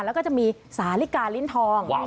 แล้วก็จะมีสาลิกาลิ้นทอง